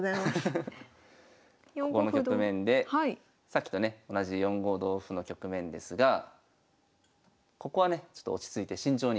さっきとね同じ４五同歩の局面ですがここはねちょっと落ち着いて慎重に。